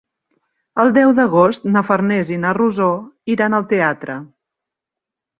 El deu d'agost na Farners i na Rosó iran al teatre.